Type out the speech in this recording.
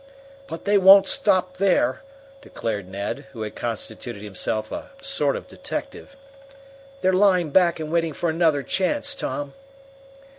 "But they won't stop there," declared Ned, who had constituted himself a sort of detective. "They're lying back and waiting for another chance, Tom."